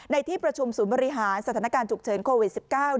ในที่ประชุมศูนย์บริหารสถานการณ์ฉุกเฉินโควิด๑๙